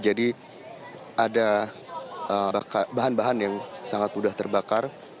jadi ada bahan bahan yang sangat mudah terbakar